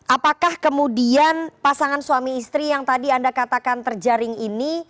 apakah kemudian pasangan suami istri yang tadi anda katakan terjaring ini